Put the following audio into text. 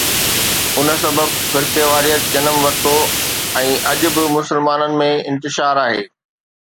ان سبب فرقيواريت جنم ورتو ۽ اڄ به مسلمانن ۾ انتشار آهي.